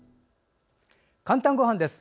「かんたんごはん」です。